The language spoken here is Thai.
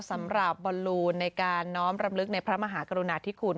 สำหรับบอลลูนในการน้อมรำลึกในพระมหากรุณาธิคุณ